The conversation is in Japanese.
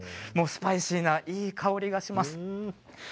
もうスパイシーないい香りがします。